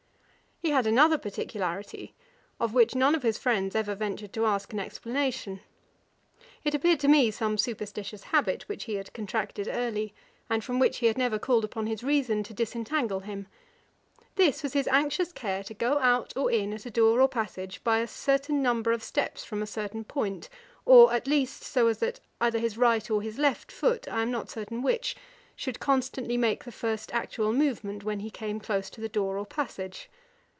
He had another particularity, of which none of his friends ever ventured to ask an explanation. It appeared to me some superstitious habit, which he had contracted early, and from which he had never called upon his reason to disentangle him. This was his anxious care to go out or in at a door or passage by a certain number of steps from a certain point, or at least so as that either his right or his left foot, (I am not certain which,) should constantly make the first actual movement when he came close to the door or passage.